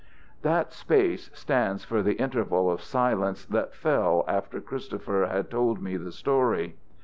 That space stands for the interval of silence that fell after Christopher had told me the story.